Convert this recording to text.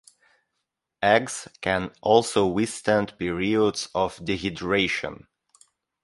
Eggs can also withstand periods of dehydration.